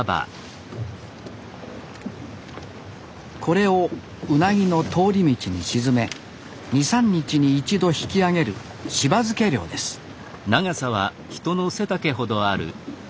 これをウナギの通り道に沈め２３日に一度引き上げる柴漬け漁ですおっ。